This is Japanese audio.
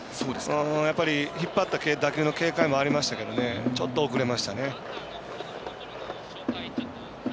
やっぱり、引っ張った打球の警戒もありましたけどちょっと遅れましたね。